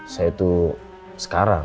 saya tuh sekarang